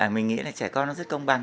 mình nghĩ là trẻ con rất công bằng